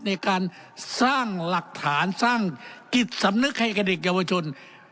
ในการสร้างหลักฐานสร้างจิตสำนึกให้กับเด็กเยาวชน